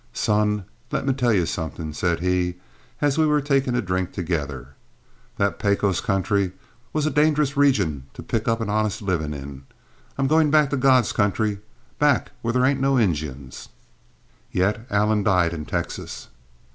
"Son, let me tell you something," said he, as we were taking a drink together; "that Pecos country was a dangerous region to pick up an honest living in. I'm going back to God's country, back where there ain't no Injuns." Yet Allen died in Texas.